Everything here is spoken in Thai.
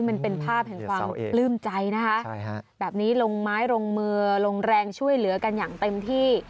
มันเป็นภาพแห่งความปลื้มใจนะคะแบบนี้ลงไม้ลงมือลงแรงช่วยเหลือกันอย่างเต็มที่